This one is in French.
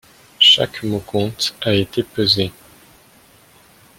Chaque mot compte a été pesé.